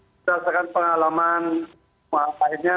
berdasarkan pengalaman maaf maafnya